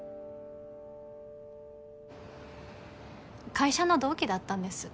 会社の同期だったんです。